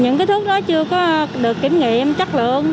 những cái thuốc đó chưa có được kiểm nghiệm chất lượng